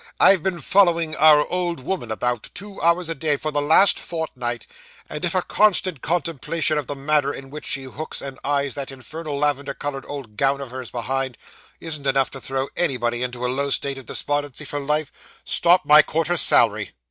I've been following our old woman about, two hours a day, for the last fortnight; and if a constant contemplation of the manner in which she hooks and eyes that infernal lavender coloured old gown of hers behind, isn't enough to throw anybody into a low state of despondency for life, stop my quarter's salary.